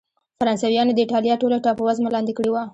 فرانسویانو د اېټالیا ټوله ټاپو وزمه لاندې کړې وه.